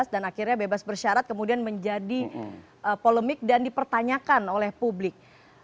dan akhirnya bebas bersyarat kemudian menjadi polemik dan dipertanyakan oleh publik